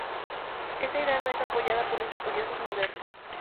Esta idea no es apoyada por los estudiosos modernos.